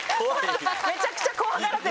めちゃくちゃ怖がらせてる。